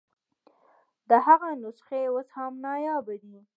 د هغه نسخې اوس هم نایابه دي.